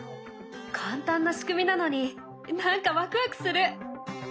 簡単な仕組みなのに何かわくわくする。